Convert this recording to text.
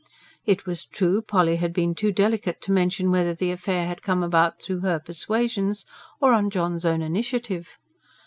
It was true, Polly had been too delicate to mention whether the affair had come about through her persuasions or on John's own initiative.